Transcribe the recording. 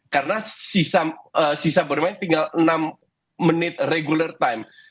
karena sisa bermain tinggal enam menit regular time